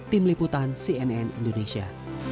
tim liputan cnn indonesia